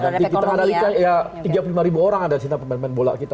nanti kita ada tiga puluh lima ribu orang ada di sini pemain pemain bola kita